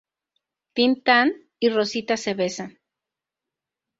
Tin Tan y Rosita se besan.